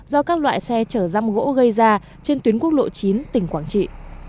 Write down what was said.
do các loại xe chở răm gỗ gây ra trên tuyến quốc lộ chín tỉnh quảng trị